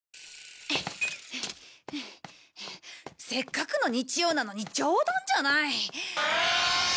せっかくの日曜なのに冗談じゃない。